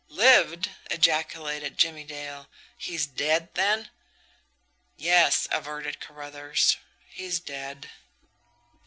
"Lived!" ejaculated Jimmie Dale. "He's dead, then?" "Yes," averted Carruthers; "he's dead."